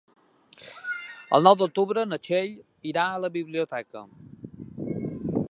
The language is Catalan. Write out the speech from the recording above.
El nou d'octubre na Txell irà a la biblioteca.